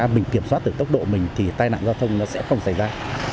mình kiểm soát từ tốc độ mình thì tai nạn giao thông nó sẽ không xảy ra